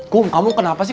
kum kamu kenapa sih